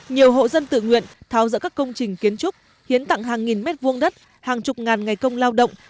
nhiều hộ dân tự nguyện tháo rỡ các công trình kiến trúc hiến tặng hàng nghìn mét vuông đất hàng chục ngàn ngày công lao động